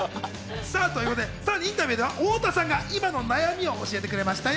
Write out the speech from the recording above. インタビューでは、太田さんが今の悩みを教えてくれましたよ。